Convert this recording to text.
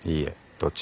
どっち？